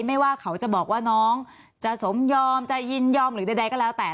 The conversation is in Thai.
ไม่ว่าเขาจะบอกว่าน้องจะสมยอมจะยินยอมหรือใดก็แล้วแต่